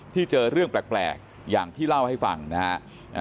เจอเรื่องแปลกอย่างที่เล่าให้ฟังนะฮะ